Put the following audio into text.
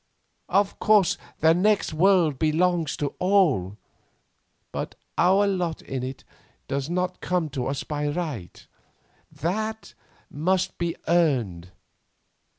Of course, the next world belongs to all, but our lot in it does not come to us by right, that must be earned."